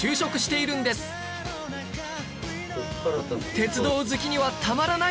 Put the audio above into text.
鉄道好きにはたまらない